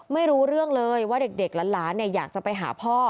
ไม่รู้เรื่องเลยว่าเด็กหลานอยากจะไปหาพ่อ